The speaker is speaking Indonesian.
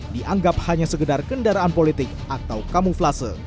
dianggap hanya sekedar kendaraan politik atau kamuflase